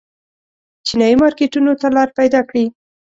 چینايي مارکېټونو ته لار پیدا کړي.